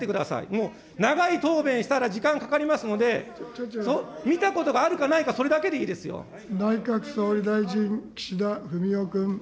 もう長い答弁したら時間かかりますので、見たことがあるかないか、内閣総理大臣、岸田文雄君。